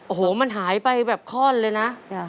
โอ้โหมันหายไปแบบคล่อนเลยนะ